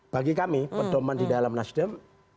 bagi kami pendoman di dalam nas dem